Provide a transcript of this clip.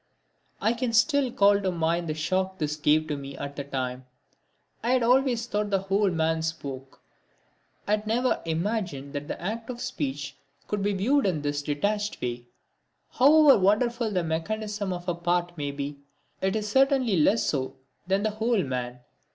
I can still call to mind the shock this gave me at the time. I had always thought the whole man spoke had never even imagined that the act of speech could be viewed in this detached way. However wonderful the mechanism of a part may be, it is certainly less so than the whole man.